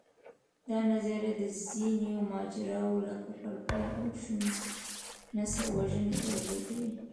دا نظریه د ځینو ماجراوو، لکه کرکې او شونې نسلوژنې توضیح کوي.